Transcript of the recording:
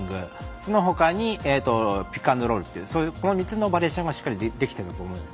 そのほかにピック＆ロールというこの３つのバリエーションがしっかりできていると思います。